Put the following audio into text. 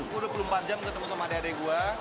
saya sudah dua puluh empat jam ketemu sama adik adik saya